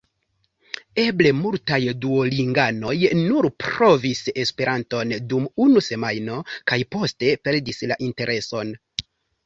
Eble multaj duolinganoj nur provis Esperanton dum unu semajno kaj poste perdis la intereson.